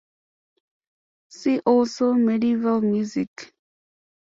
See also Medieval music.